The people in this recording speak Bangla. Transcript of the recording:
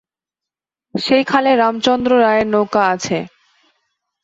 সেই খালে রামচন্দ্র রায়ের নৌকা আছে।